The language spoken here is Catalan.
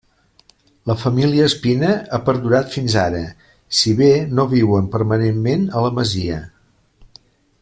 La família Espina ha perdurat fins ara si bé no viuen permanentment a la masia.